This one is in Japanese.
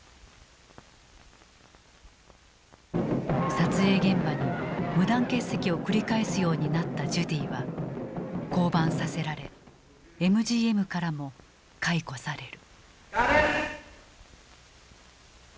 撮影現場に無断欠席を繰り返すようになったジュディは降板させられＭＧＭからも解雇される。